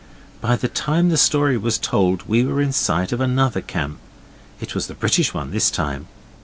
By the time the story was told we were in sight of another camp. It was the British one this time.